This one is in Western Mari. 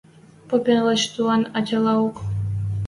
Попен лач туан ӓтялаок: